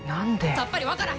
さっぱり分からへん！